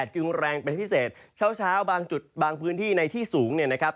จึงแรงเป็นพิเศษเช้าบางจุดบางพื้นที่ในที่สูงเนี่ยนะครับ